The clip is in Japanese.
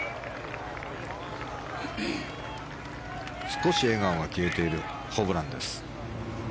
少し笑顔が消えているホブランです。